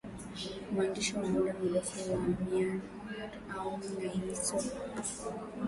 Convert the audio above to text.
mwandishi wa muda mrefu wa Myanmar Aung Naing Soe